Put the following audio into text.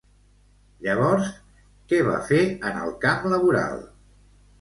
Llavors, què va fer en el camp laboral?